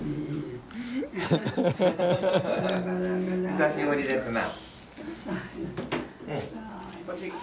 久しぶりですな。